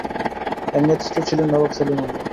এর নেতৃত্বে ছিলেন নবাব সলিমুল্লাহ।